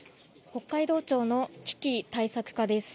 北海道庁の危機対策課です。